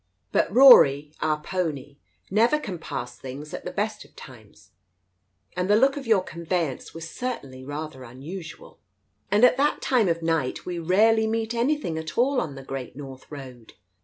... "ButRory — our pony — never can pass things, at the best of times, and the look of your conveyance was certainly rather unusual. And at that time of night we rarely meet anything at all on the Great North Road.